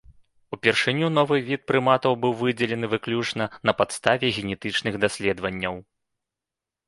Упершыню новы від прыматаў быў выдзелены выключна на падставе генетычных даследаванняў.